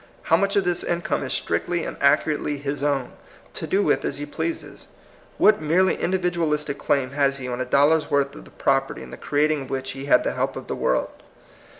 How much of this in come is strictly and accurately his own, to do with as he pleases? What merely in dividualistic claim has he on a dollar's worth of the property in the creating of which he had the help of the world